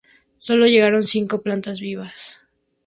Sólo llegaron cinco plantas vivas.